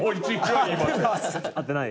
合ってない？